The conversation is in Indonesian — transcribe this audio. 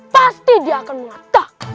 pasti dia akan mengatak